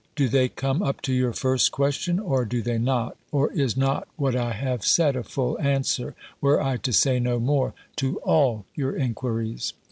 Do they come up to your first question? or do they not? Or is not what I have said, a full answer, were I to say no more, to all your enquiries?